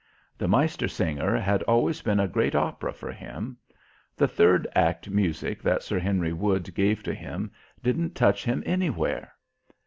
"The Meistersinger" had always been a great opera for him. The third act music that Sir Henry Wood gave to him didn't touch him anywhere.